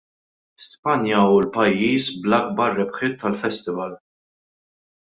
Spanja hu l-pajjiż bl-akbar rebħiet tal-Festival.